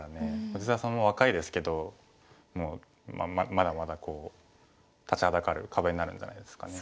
藤沢さんも若いですけどまだまだ立ちはだかる壁になるんじゃないですかね。